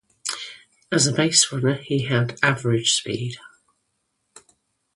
As a baserunner, he had average speed.